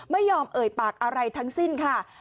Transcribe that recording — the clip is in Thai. ไม่ยอมเอ่ยปากอะไรทั้งสิ้นค่ะ